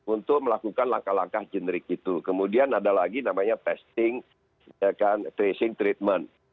untuk melakukan langkah langkah generik itu kemudian ada lagi namanya testing tracing treatment